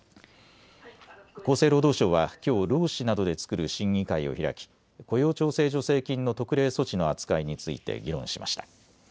厚生労働省はきょう労使などで作る審議会を開き雇用調整助成金の特例措置の扱いについて議論しました。